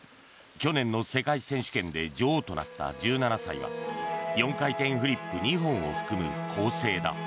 去年の世界選手権で女王となった１７歳は４回転フリップ２本を含む構成だ。